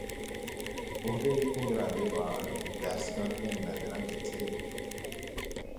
ਉਹਦੇ ਘੁੰਗਰਾਲੇ ਵਾਲ ਦਰਸ਼ਕਾਂ ਦੀਆਂ ਨਜ਼ਰਾਂ ਖਿੱਚਦੇ